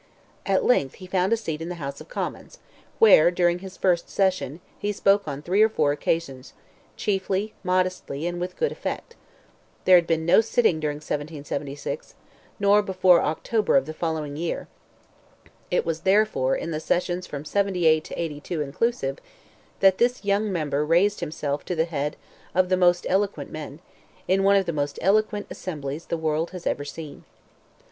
At length he found a seat in the House of Commons, where, during his first session, he spoke on three or four occasions, briefly, modestly, and with good effect; there had been no sitting during 1776, nor before October of the following year; it was, therefore, in the sessions from '78 to '82 inclusive, that this young member raised himself to the head of the most eloquent men, in one of the most eloquent assemblies the world has ever seen.